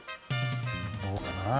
どうかな？